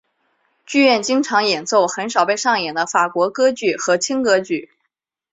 剧院经常演奏很少被上演的法国歌剧和轻歌剧。